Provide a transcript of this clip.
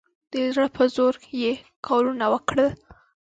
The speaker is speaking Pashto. د زړه په زور یې کارونه وکړل.